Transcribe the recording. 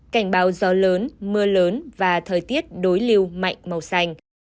cảnh báo gió lớn mưa lớn và thời tiết đối lưu mạnh màu xanh